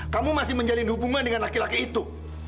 kamu masih menjalin hubungan dengan laki laki itu